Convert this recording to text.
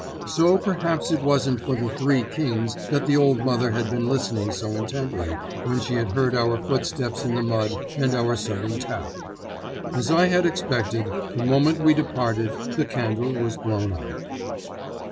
So perhaps it wasn't for the Three Kings that the old mother had been listening so intently, when she had heard our footsteps in the mud and our sudden tap. As I had expected, the moment we departed the candle was blown out.